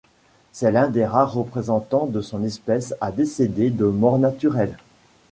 C'est l'un des rares représentants de son espèce à décéder de mort naturelle.